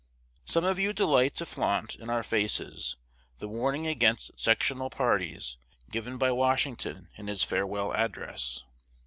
Some of you delight to flaunt in our faces the warning against sectional parties given by Washington in his Farewell Address.